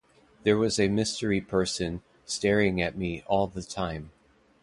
There was a mystery person staring at me all the time.